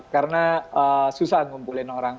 karena susah ngumpulin orang